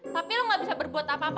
tapi lo gak bisa berbuat apa apa